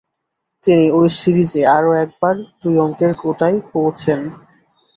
তিনি ঐ সিরিজে আরও একবার দুই অঙ্কের কোঠায় পৌঁছেন।